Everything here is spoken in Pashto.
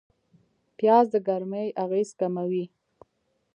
پیاز د ګرمۍ اغېز کموي